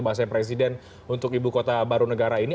bahasa presiden untuk ibu kota baru negara ini